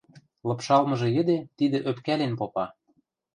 Лыпшалмыжы йӹде тидӹ ӧпкӓлен попа: